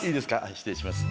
失礼します。